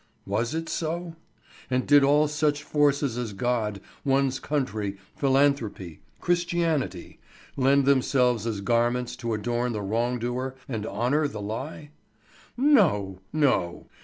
Was it so? And did all such forces as God, one's country, philanthropy, Christianity, lend themselves as garments to adorn the wrong doer and honour the lie? No, no!